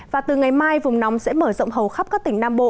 và từ ngày mai vùng nóng sẽ mở rộng hầu khắp các tỉnh nam bộ